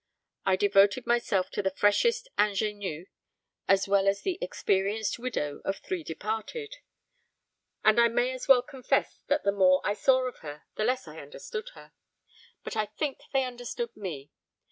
I devoted myself to the freshest ingenue as well as the experienced widow of three departed; and I may as well confess that the more I saw of her, the less I understood her. But I think they understood me.